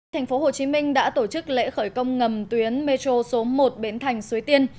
thành phố hồ chí minh đã tổ chức lễ khởi công ngầm tuyến metro số một bến thành suối tiên